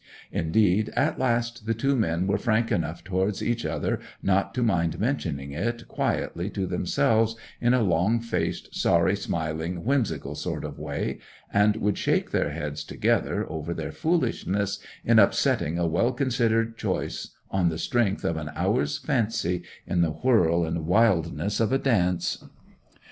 Indeed, at last the two men were frank enough towards each other not to mind mentioning it quietly to themselves, in a long faced, sorry smiling, whimsical sort of way, and would shake their heads together over their foolishness in upsetting a well considered choice on the strength of an hour's fancy in the whirl and wildness of a dance.